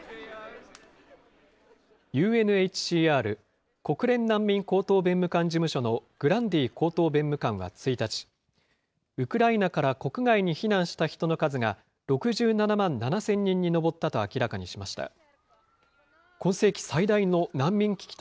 ＵＮＨＣＲ・国連難民高等弁務官事務所のグランディ高等弁務官は１日、ウクライナから国外に避難した人の数が６７万７０００人に上ったと明らかにしました。